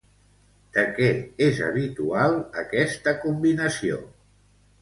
De què és habitual aquesta combinació?